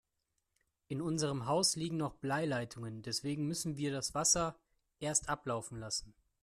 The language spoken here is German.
In unserem Haus liegen noch Bleileitungen, deswegen müssen wir das Wasser erst ablaufen lassen.